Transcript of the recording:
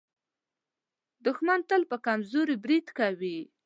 دښمن تل پر کمزوري برید کوي